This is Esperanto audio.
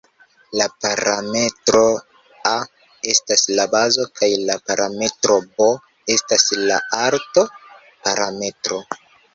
La parametro "a" estas la bazo kaj la parametro "b" estas la "alto"-parametro.